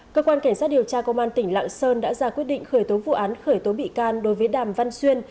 cơ quan cảnh sát điều tra công an tỉnh lạng sơn đã ra quyết định khởi tố vụ án khởi tố bị can đối với đàm văn xuyên